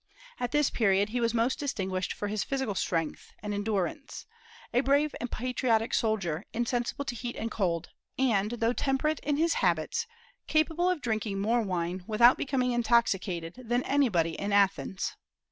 At this period he was most distinguished for his physical strength and endurance, a brave and patriotic soldier, insensible to heat and cold, and, though temperate in his habits, capable of drinking more wine, without becoming intoxicated, than anybody in Athens.